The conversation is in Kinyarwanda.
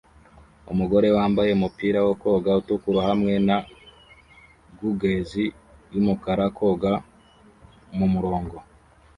Umugore wambaye umupira wo koga utukura hamwe na gogles yumukara koga mu murongo